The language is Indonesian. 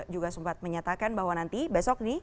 juga sempat menyatakan bahwa nanti besok nih